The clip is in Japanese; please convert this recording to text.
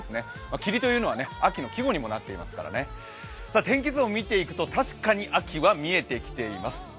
霧というのは秋の季語にもなっていますからね天気図を見ていくと、確かに秋は見えてきています。